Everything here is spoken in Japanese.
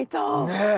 ねえ。